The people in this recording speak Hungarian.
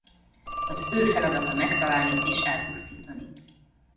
Az ő feladata megtalálni és elpusztítani.